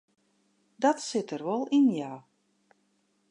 Dat sit der wol yn ja.